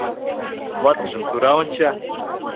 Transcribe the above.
Ватыжым тура онча.